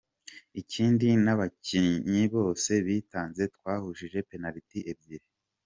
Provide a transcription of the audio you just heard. Ikindi n’abakinnye bose bitanze, twahushije penaliti ebyiri.